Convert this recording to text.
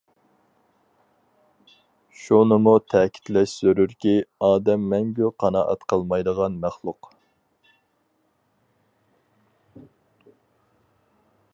شۇنىمۇ تەكىتلەش زۆرۈركى، ئادەم مەڭگۈ قانائەت قىلمايدىغان مەخلۇق.